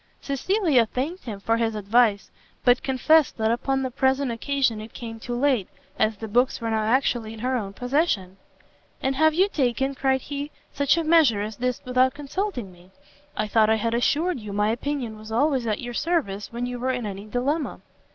Cecilia thanked him for his advice, but confessed that upon the present occasion it came too late, as the books were now actually in her own possession. "And have you taken," cried he, "such a measure as this without consulting me? I thought I had assured you my opinion was always at your service when you were in any dilemma."